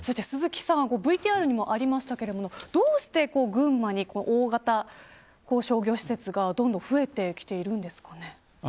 そして鈴木さんＶＴＲにもありましたがどうして群馬に大型商業施設がどんどん増えてきているんですかね。